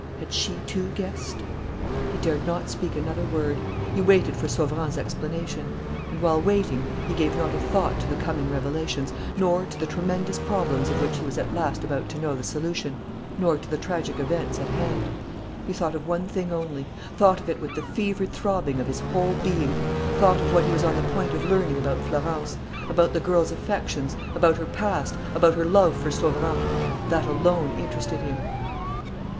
Had she, too, guessed? He dared not speak another word. He waited for Sauverand's explanation. And, while waiting, he gave not a thought to the coming revelations, nor to the tremendous problems of which he was at last about to know the solution, nor to the tragic events at hand. He thought of one thing only, thought of it with the fevered throbbing of his whole being, thought of what he was on the point of learning about Florence, about the girl's affections, about her past, about her love for Sauverand. That alone interested him.